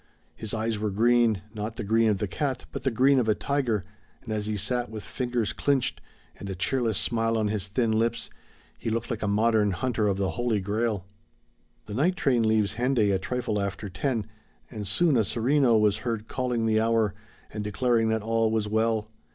His eyes were green, not the green of the cat but the green of a tiger, and as he sat with fingers clinched, and a cheerless smile on his thin lips, he looked a modern hunter of the Holy Grail. The night train leaves Hendaye a trifle after ten, and soon a sereno was heard calling the hour, and declaring that all was well.